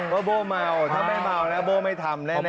โบ้เมาถ้าไม่เมานะโบ้ไม่ทำแน่